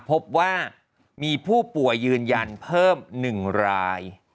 พบว่ามีผู้ป่วยยืนยันเพิ่ม๑ราย